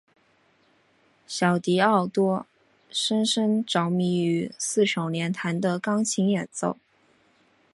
小狄奥多深深着迷于四手联弹的钢琴演奏。